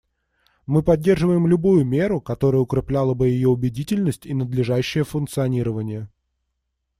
Мы поддерживаем любую меру, которая укрепляла бы ее убедительность и надлежащее функционирование.